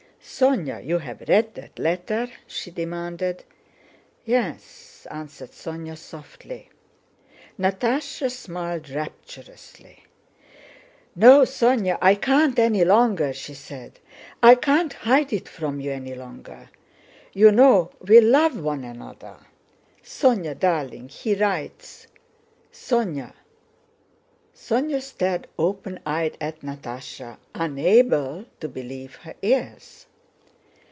"Sónya, you've read that letter?" she demanded. "Yes," answered Sónya softly. Natásha smiled rapturously. "No, Sónya, I can't any longer!" she said. "I can't hide it from you any longer. You know, we love one another! Sónya, darling, he writes... Sónya..." Sónya stared open eyed at Natásha, unable to believe her ears.